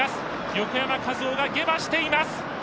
横山和生が下馬しています。